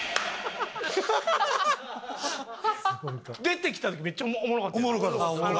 出てきた時めっちゃおもろかったよな？